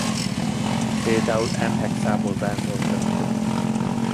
Például n-hexánból benzol keletkezik.